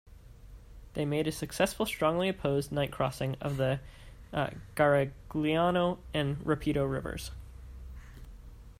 They made a successful strongly opposed night crossing of the Garigliano and Rapido rivers.